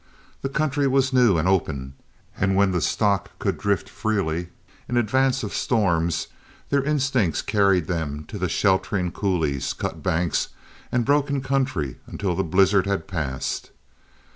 The country was new and open, and when the stock could drift freely in advance of storms, their instincts carried them to the sheltering coulees, cut banks, and broken country until the blizzard had passed.